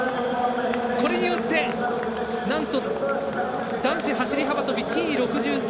これによってなんと男子走り幅跳びＴ６３